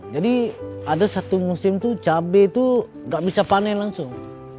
jadi ada satu musim itu cabai itu nggak bisa panen langsung